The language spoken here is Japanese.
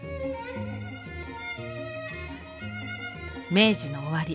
明治の終わり